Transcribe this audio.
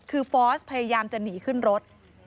คือฟอร์สพยายามจะหนีขึ้นรถ